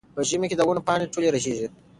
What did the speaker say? په ژمي کې د ونو پاڼې ټولې رژېږي.